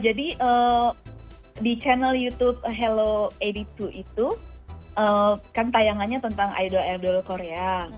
jadi di channel youtube hello delapan puluh dua itu kan tayangannya tentang idol idol korea